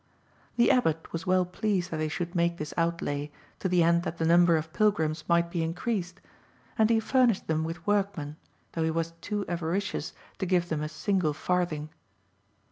The Abbot was well pleased that they should make this outlay, to the end that the number of pilgrims might be increased, and he furnished them with workmen, though he was too avaricious to give them a single farthing.